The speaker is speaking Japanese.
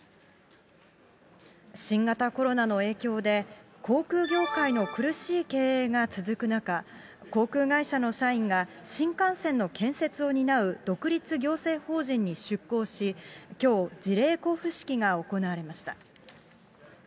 新型コロナの影響で、航空業界の苦しい経営が続く中、航空会社の社員が、新幹線の建設を担う独立行政法人に出向し、きょう、辞令交付式が行われました。